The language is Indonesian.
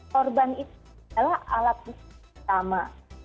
korban itu adalah alat bukti utama